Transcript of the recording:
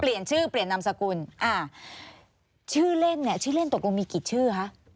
เปลี่ยนชื่อเปลี่ยนนามสกุลอ่าชื่อเล่นเนี่ยชื่อเล่นตกลงมีกี่ชื่อคะ